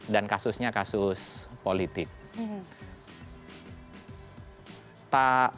dan kasusnya kasus politik